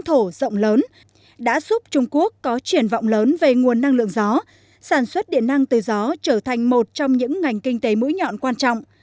trung quốc có triển vọng lớn về nguồn năng lượng gió sản xuất điện năng từ gió trở thành một trong những ngành kinh tế mũi nhọn quan trọng